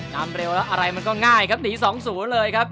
นำเร็วแล้วอะไรมันก็ง่ายครับหนี๒๐เลยครับ